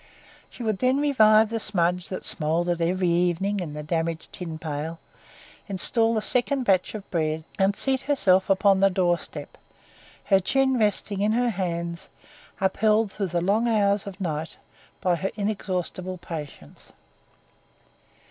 She then would revive the smudge that smouldered every evening in the damaged tin pail, install the second batch of bread, and seat herself upon the door step, her chin resting in her hands, upheld through the long hours of the night by her inexhaustible patience.